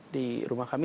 di rumah kami